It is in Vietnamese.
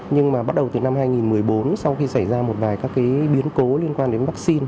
nhưng mà bắt đầu từ năm hai nghìn một mươi bốn sau khi xảy ra một vài các cái biến cố liên quan đến vaccine